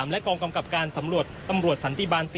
และกองกำกับการสำรวจตำรวจสันติบาล๔